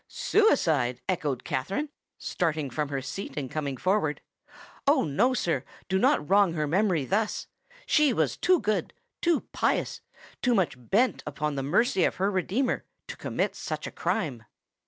"Suicide!" echoed Katherine, starting from her seat, and coming forward: "Oh! no, sir—do not wrong her memory thus! She was too good—too pious—too much bent upon the mercy of her Redeemer, to commit such a crime."